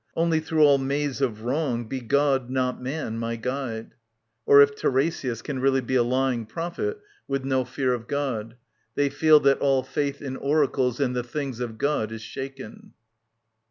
Only through all maze of wrong Be God, not man, my guide. [Strophe. [Or if TiKESiAS can really bi a lying prophet with no fear of God ; they feel that all faith in oracles and the things of God is shaken.